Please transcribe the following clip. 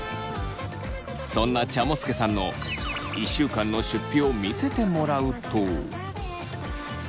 そんなちゃもすけさんの１週間の出費を見せてもらうと。